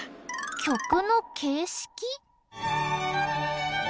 曲の形式？